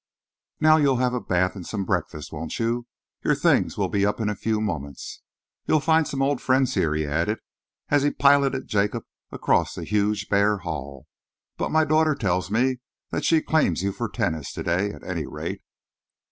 Now you'll have a bath and some breakfast, won't you? Your things will be up in a few moments. You'll find some old friends here," he added, as he piloted Jacob across the huge, bare hall, "but my daughter tells me that she claims you for tennis to day, at any rate."